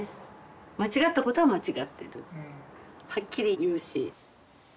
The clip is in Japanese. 間違ったことは間違ってるはっきり言うし。